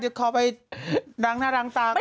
เชิญค่ะจะขอไปดังหน้ารังตาก่อน